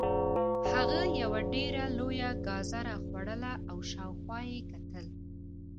هغه یوه ډیره لویه ګازره خوړله او شاوخوا یې کتل